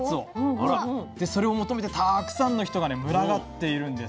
でそれを求めてたくさんの人がね群がっているんです。